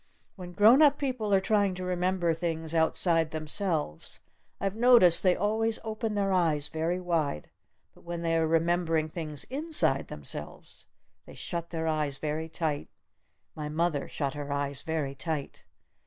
When grown up people are trying to remember things outside themselves I've noticed they always open their eyes very wide. But when they are remembering things inside themselves they shut their eyes very tight. My mother shut her eyes very tight.